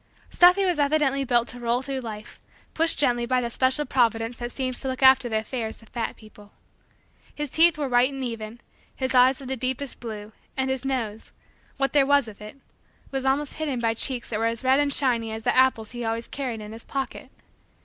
"Stuffy" was evidently built to roll through life, pushed gently by that special providence that seems to look after the affairs of fat people. His teeth were white and even, his eyes of the deepest blue, and his nose what there was of it was almost hidden by cheeks that were as red and shiny as the apples he always carried in his pocket.